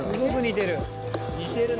似てるね。